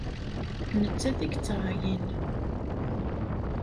D nettat i yettṛayin.